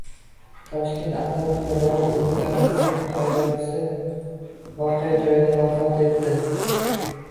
Toshkentda avtobusga borib urilgan Lacetti haydovchisi voqea joyida vafot etdi